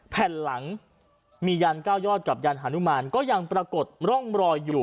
แผ่นหลังมียัน๙ยอดกับยันหานุมานก็ยังปรากฏร่องรอยอยู่